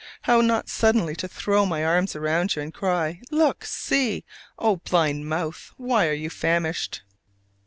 How not suddenly to throw my arms round you and cry, "Look, see! O blind mouth, why are you famished?"